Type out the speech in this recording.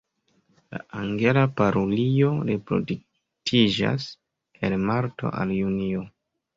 La Angela parulio reproduktiĝas el marto al junio.